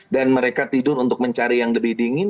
dan mereka tidur untuk mencari yang lebih dingin